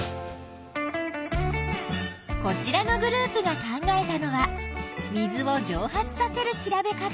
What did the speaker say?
こちらのグループが考えたのは水をじょう発させる調べ方。